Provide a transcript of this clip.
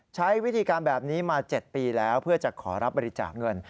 ใช้วิธีการแบบนี้มา๗ปีแล้วเพื่อจะขอรับบริจาคเงิน